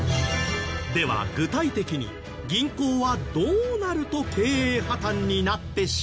では具体的に銀行はどうなると経営破たんになってしまうの？